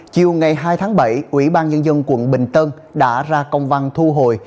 chiều ngày hai tháng bảy ủy ban nhân dân quận bình tân đã ra công văn thu hồi